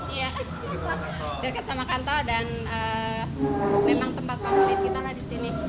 iya dekat sama kantor dan memang tempat favorit kita lah di sini